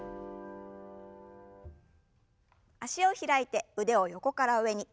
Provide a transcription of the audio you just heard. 脚を開いて腕を横から上に。